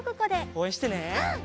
おうえんしてね。